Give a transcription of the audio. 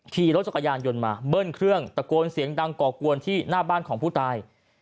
ขี่รถจักรยานยนต์มาเบิ้ลเครื่องตะโกนเสียงดังก่อกวนที่หน้าบ้านของผู้ตาย